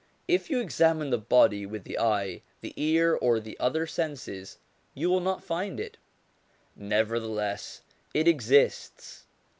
If you examine the body with the eye, the ear, or the other senses, you will not find it; nevertheless it exists.